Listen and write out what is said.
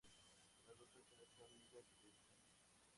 Las dos canciones son millas de distancia.